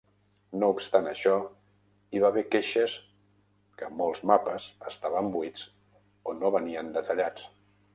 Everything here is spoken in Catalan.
No obstant això, hi va haver queixes que molts mapes estaven buits o no venien detallats.